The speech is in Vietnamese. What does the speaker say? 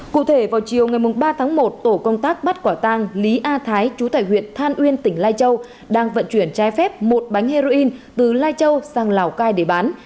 cụ thể vào chiều ngày ba tháng một tổ công tác bắt quả tang lý a thái chú tải huyện than uyên tỉnh lai châu đang vận chuyển trái phép một bánh heroin từ lai châu sang lào cai để bán